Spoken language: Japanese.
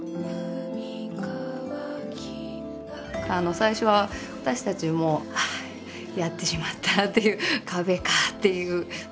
最初は私たちもああやってしまったっていう壁かっていう。